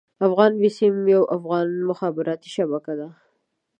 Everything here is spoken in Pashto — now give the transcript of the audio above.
افغان بيسيم يوه افغاني مخابراتي شبکه ده.